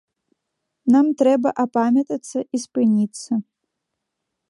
Нам трэба апамятацца і спыніцца.